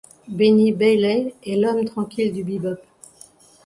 Benny Bailey est l'homme tranquille du bebop.